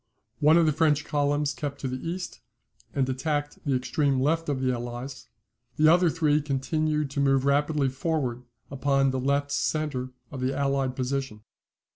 One of the French columns kept to the east, and attacked the extreme left of the Allies; the other three continued to move rapidly forwards upon the left centre of the allied position.